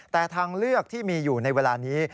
แต่ทางเลือกที่มีอยู่ในเวลานี้